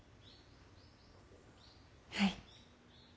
はい。